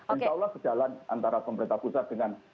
insya allah sejalan antara pemerintah pusat dengan